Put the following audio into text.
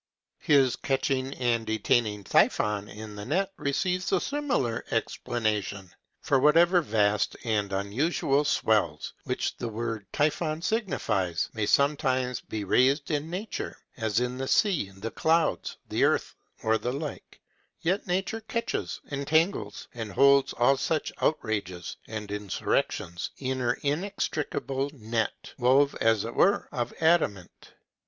His catching and detaining Typhon in the net receives a similar explanation; for whatever vast and unusual swells, which the word typhon signifies, may sometimes be raised in nature, as in the sea, the clouds, the earth, or the like, yet nature catches, entangles, and holds all such outrages and insurrections in her inextricable net, wove, as it were, of adamant.